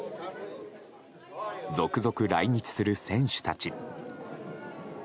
続々、来日する選手たち。